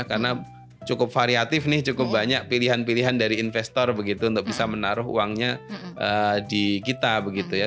karena cukup variatif nih cukup banyak pilihan pilihan dari investor begitu untuk bisa menaruh uangnya di kita begitu ya